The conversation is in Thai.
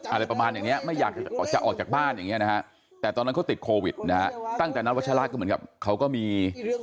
อะไรประมาณอย่างนี้